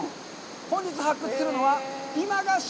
本日発掘するのは「今が旬！